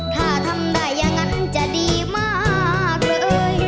ถ้าทำได้อย่างนั้นจะดีมากเลย